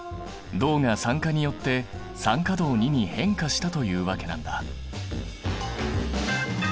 銅が酸化によって酸化銅に変化したというわけなんだ。